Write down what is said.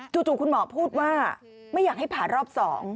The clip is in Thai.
คุณหมอพูดว่าไม่อยากให้ผ่ารอบ๒